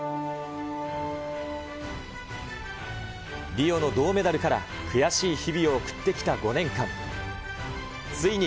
リオの銅メダルから、悔しい日々を送ってきた５年間。